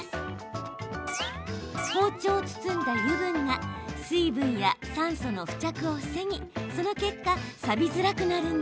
包丁を包んだ油分が水分や酸素の付着を防ぎその結果さびづらくなるんだそう。